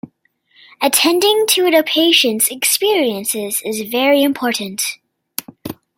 Attending to the patient's experiences is very important.